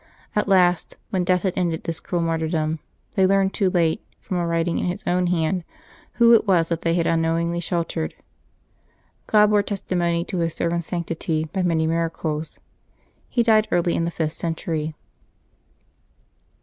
At last, when death had ended this cruel martyrdom, they learned too late, from a writing in his own hand, who it was that they had unknowingly shel tered. God bore testimony to His servant's sanctity by many miracles. He died early in the fifth century.